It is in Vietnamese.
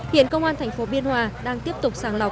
hiện công an tp biên hòa đang tiếp tục sàng lọc